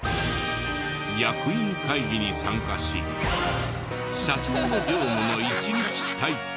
役員会議に参加し社長の業務の一日体験。